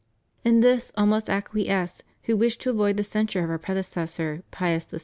In this all must acquiesce who wish to avoid the censure of Our predecessor Pius VI.